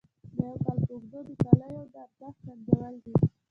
د یو کال په اوږدو د کالیو د ارزښت سنجول دي.